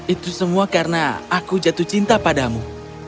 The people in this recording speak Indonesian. itu semua karena aku jatuh cinta padamu